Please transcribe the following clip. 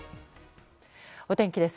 お天気です。